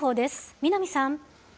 南さん。